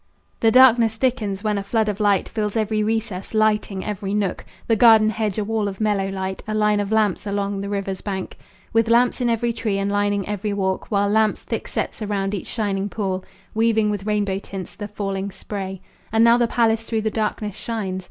The darkness thickens, when a flood of light Fills every recess, lighting every nook; The garden hedge a wall of mellow light, A line of lamps along the river's bank, With lamps in every tree and lining every walk, While lamps thick set surround each shining pool, Weaving with rainbow tints the falling spray. And now the palace through the darkness shines.